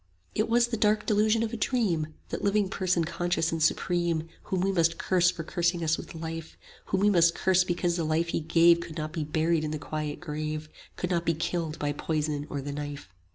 It was the dark delusion of a dream, That living Person conscious and supreme, Whom we must curse for cursing us with life; 45 Whom we must curse because the life he gave Could not be buried in the quiet grave, Could not be killed by poison or the knife.